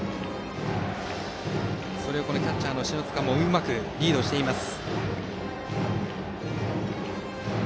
それをキャッチャーの篠塚もうまくリードしています。